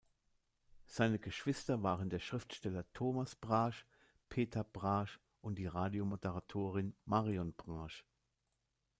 Seine Geschwister waren der Schriftsteller Thomas Brasch, Peter Brasch und die Radiomoderatorin Marion Brasch.